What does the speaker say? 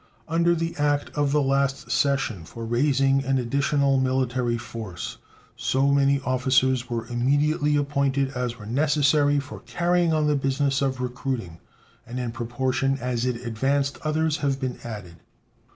Under the act of the last session for raising an additional military force so many officers were immediately appointed as were necessary for carrying on the business of recruiting, and in proportion as it advanced others have been added.